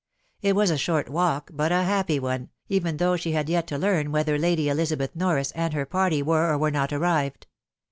It was a short walk, but a happy one, even though she had yet to learn whether Lady Elizabeth Norris and her party were or were not arrived.